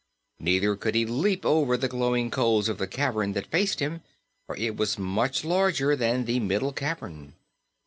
Neither could he leap over the glowing coals of the cavern that faced him, for it was much larger than the middle cavern.